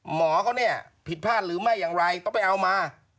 หมอเขาเนี่ยผิดพลาดหรือไม่อย่างไรก็ไปเอามา